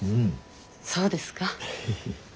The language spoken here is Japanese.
そうですか。